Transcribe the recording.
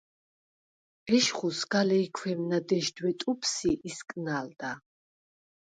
ეშხუ სგა ლეჲქვემნა დეშდვე ტუფს ი ისკნა̄ლდა.